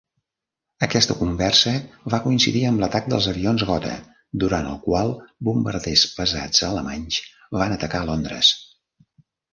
Aquesta conversa va coincidir amb l'atac dels avions Gotha, durant el qual bombarders pesats alemanys van atacar Londres.